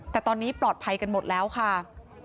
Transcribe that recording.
แต่ตอนนี้ปลอดภัยกันหมดแล้วค่ะ